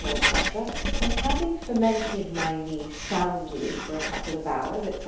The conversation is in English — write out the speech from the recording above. &c. and having fomented my knee soundly for a couple of hours, &c.